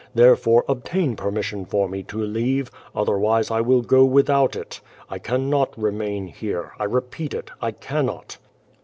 There fore obtain permission for me to leave, otherwise I will go without it. I cannot remain here. I repeat it, I cannot."